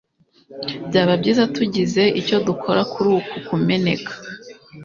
byaba byiza tugize icyo dukora kuri uku kumeneka